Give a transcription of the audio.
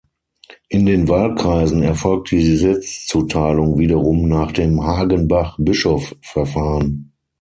In den Wahlkreisen erfolgt die Sitzzuteilung wiederum nach dem Hagenbach-Bischoff-Verfahren.